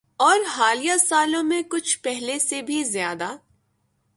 اورحالیہ سالوں میں کچھ پہلے سے بھی زیادہ۔